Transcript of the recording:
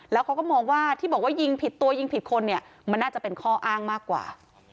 แล้วเขาก็มองว่าที่บอกว่ายิงผิดตัวยิงผิดคนเนี่ยมันน่าจะเป็นข้ออ้างมากกว่า